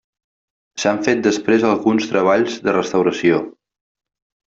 S'han fet després alguns treballs de restauració.